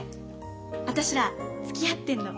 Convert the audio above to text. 私らつきあってんの。